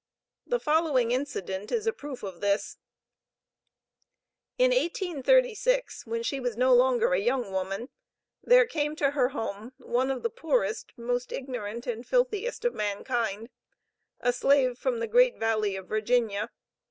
The following incident is a proof of this: In 1836, when she was no longer a young woman, there came to her home, one of the poorest, most ignorant, and filthiest of mankind a slave from the great valley of Virginia.